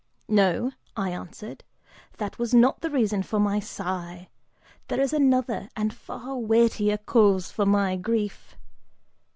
"No," I answered, "that was not the reason for my sigh, there is another and far weightier cause for my grief."